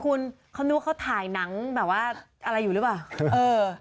คุณเขานึกว่าเขาถ่ายหนังแบบว่าอะไรอยู่หรือเปล่าเออ